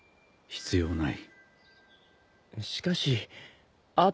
必要ない。